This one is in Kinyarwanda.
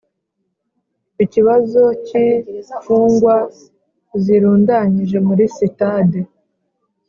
ikibazo cy'imfungwa zirundanyije muri sitade